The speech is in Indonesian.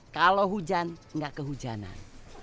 kalau hujan nggak kehujanan